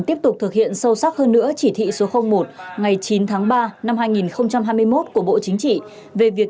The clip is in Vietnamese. tiếp tục thực hiện sâu sắc hơn nữa chỉ thị số một ngày chín tháng ba năm hai nghìn hai mươi một của bộ chính trị về việc